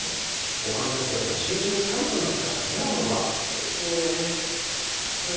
ほかのやつだったら収拾つかなくなってたからねあの場。ですよねさすが。